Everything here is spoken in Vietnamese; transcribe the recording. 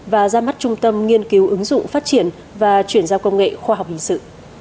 và ra mắt trung tâm nghiên cứu ứng dụng phát triển và chuyển giao công nghệ khoa học hình sự